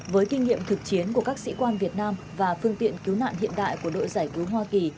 với kinh nghiệm thực chiến của các sĩ quan việt nam và phương tiện cứu nạn hiện đại của đội giải cứu hoa kỳ